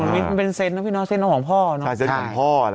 มิ้นมันเป็นเซสนะพี่น้อยเซสของพ่อเนอะแล้วใช่พ่อจริง